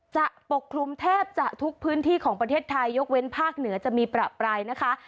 ปกคลุมแทบจะทุกพื้นที่ของประเทศไทยยกเว้นภาคเหนือจะมีประปรายนะคะ